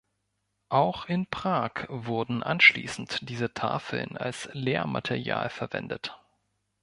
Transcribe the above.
Auch in Prag wurden anschließend diese Tafeln als Lehrmaterial verwendet.